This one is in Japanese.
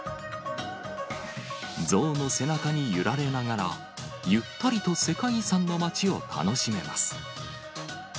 ゾウの背中に揺られながら、ゆったりと世界遺産の街を楽しめます。